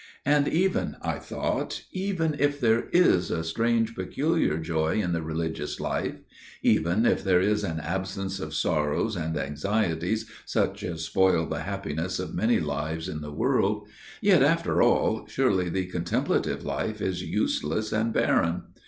And even, I thought, even if there is a strange peculiar joy in the Religious Life––even if there is an absence of sorrows and anxieties such as spoil the happiness of many lives in the world––yet, after all, surely the Contemplative Life is useless and barren.